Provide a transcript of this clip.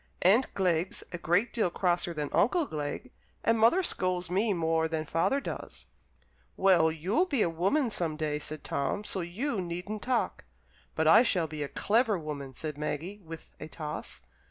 "Aunt Glegg's a great deal crosser than Uncle Glegg, and mother scolds me more than father does." "Well, you'll be a woman some day," said Tom, "so you needn't talk." "But I shall be a clever woman," said Maggie, with a toss.